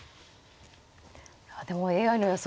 あでもＡＩの予想